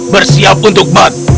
bersiap untuk mat